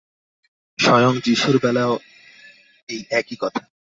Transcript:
স্বয়ং যীশুর বেলায়ও এই একই কথা।